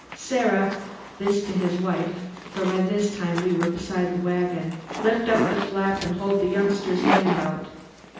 Sarah!' this to his wife, for by this time we were beside the wagon, 'lift up the flap and hold the youngster's hand out.